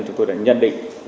chúng tôi đã nhận định